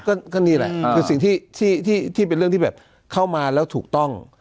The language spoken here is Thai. ก็นี่แหละคือสิ่งที่เป็นเรื่องที่แบบเข้ามาแล้วถูกต้อง